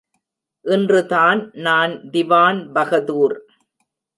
இன்று தான் நான் திவான்பகதூர்.